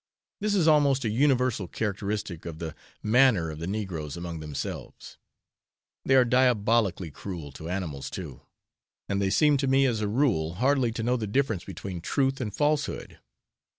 This is almost a universal characteristic of the manner of the negroes among themselves. They are diabolically cruel to animals too, and they seem to me as a rule hardly to know the difference between truth and falsehood.